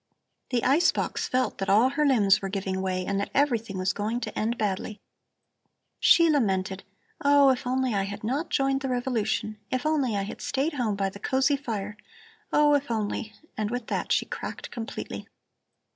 "The ice box felt that all her limbs were giving way and that everything was going to end badly. She lamented: 'Oh, if only I had not joined the revolution! If I had only stayed at home by the cosy fire! Oh, if only ' And with that she cracked completely.